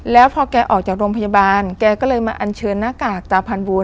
แล้วพอแกออกจากโรงพยาบาลแกก็เลยมาอันเชิญหน้ากากตาพันบูร